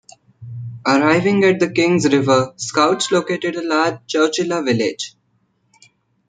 Arriving at the King's River, scouts located a large Chowchilla village.